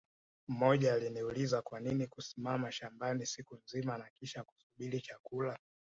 Mmoja aliniuliza Kwanini kusimama shambani siku nzima na kisha kusubiri chakula